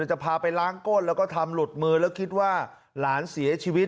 จะพาไปล้างก้นแล้วก็ทำหลุดมือแล้วคิดว่าหลานเสียชีวิต